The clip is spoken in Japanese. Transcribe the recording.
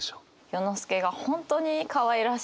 世之介が本当にかわいらしい。